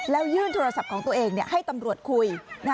แล้วยื่นโทรศัพท์ของตัวเองให้ตำรวจคุย